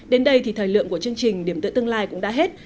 đến đây thì thời lượng của chương trình điểm tựa tương lai cũng đã hết